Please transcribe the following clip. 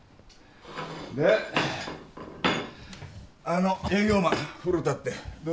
であの営業マン古田ってどうだった？